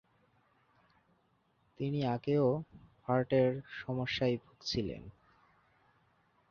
তিনি আগেও হার্টের সমস্যায় ভুগছিলেন।